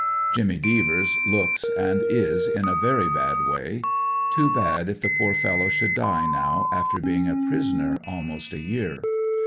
Jimmy Devers looks and is in a very bad way. Too bad if the poor fellow should die now, after being a prisoner almost a year.